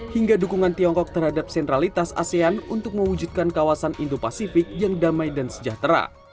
hingga dukungan tiongkok terhadap sentralitas asean untuk mewujudkan kawasan indo pasifik yang damai dan sejahtera